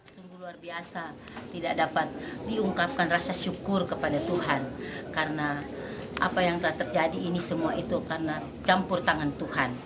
sungguh luar biasa tidak dapat diungkapkan rasa syukur kepada tuhan karena apa yang telah terjadi ini semua itu karena campur tangan tuhan